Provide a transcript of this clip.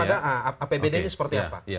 ini masuk ke apbd seperti apa